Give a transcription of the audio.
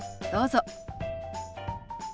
どうぞ。